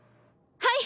はい！